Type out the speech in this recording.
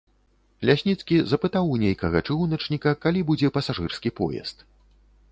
Лясніцкі запытаў у нейкага чыгуначніка, калі будзе пасажырскі поезд.